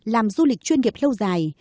làm du lịch chuyên nghiệp lâu dài